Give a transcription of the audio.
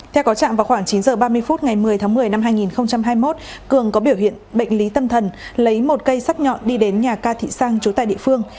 theo cáo trạng vào khoảng chín h ba mươi phút ngày một mươi tháng một mươi năm hai nghìn hai mươi một cường có biểu hiện bệnh lý tâm thần lấy một cây sắt nhọn đi đến nhà ca thị sang trú tại địa phương